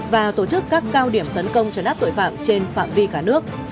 và tổ chức các cao điểm tấn công trấn áp tội phạm trên phạm vi cả nước